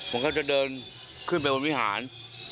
ผมก็จะเดินขึ้นไปบนวิหาร